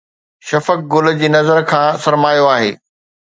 شفق گل جي نظر کان سرمايو آهي